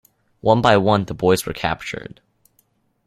One by one the boys were captured.